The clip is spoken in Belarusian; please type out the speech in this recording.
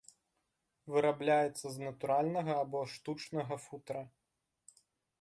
Вырабляецца з натуральнага або штучнага футра.